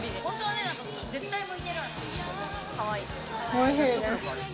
おいしいです。